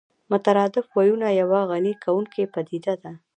مترادف ويونه يوه غني کوونکې پدیده